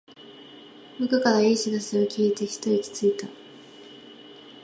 部下からの良い知らせを聞いてひと息ついた